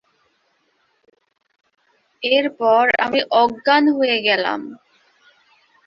এরপর আমি অজ্ঞান হয়ে গেলাম।